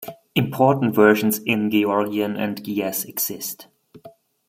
Important versions in Georgian and Ge'ez exist.